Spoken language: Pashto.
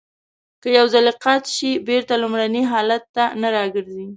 که یو ځلی قات شي بېرته لومړني حالت ته نه را گرځي.